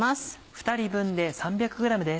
２人分で３００ｇです。